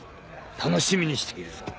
楽しみにしているぞ